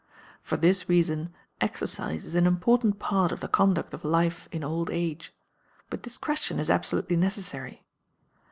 For this reason exercise is an important part of the conduct of life in old age; but discretion is absolutely necessary.